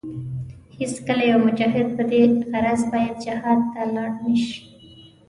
هېڅکله يو مجاهد په دې غرض باید جهاد ته لاړ نشي.